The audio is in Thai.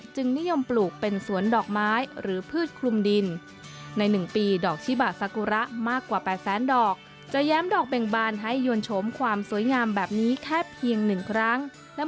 จึงนิยมปลูกเป็นสวนดอกไม้หรือพืชคลุมดิน